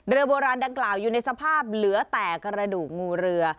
โบราณดังกล่าวอยู่ในสภาพเหลือแต่กระดูกงูเรือ